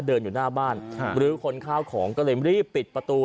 เดินอยู่หน้าบ้านหรือคนข้าวของก็เลยรีบปิดประตู